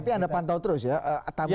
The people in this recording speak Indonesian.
tapi anda pantau terus ya tabaran anda ya